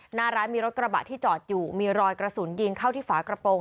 หน้าร้านมีรถกระบะที่จอดอยู่มีรอยกระสุนยิงเข้าที่ฝากระโปรง